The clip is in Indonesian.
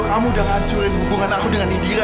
kamu sudah menghancurkan hubungan aku dengan indira